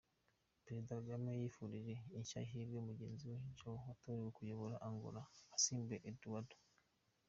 Perezida Kagame yifurije ishya n’ihirwe mugenzi we Joao watorewe kuyobora Angola asimbuye Eduardo.